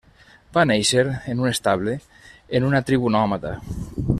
Va néixer en un estable, en una tribu nòmada.